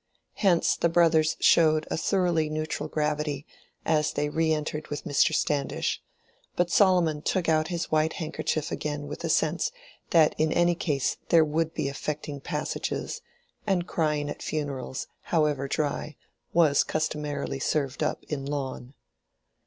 Hence the brothers showed a thoroughly neutral gravity as they re entered with Mr. Standish; but Solomon took out his white handkerchief again with a sense that in any case there would be affecting passages, and crying at funerals, however dry, was customarily served up in lawn.